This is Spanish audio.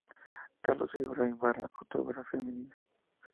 Carlos Figueroa Ibarra: Autobiografía mínima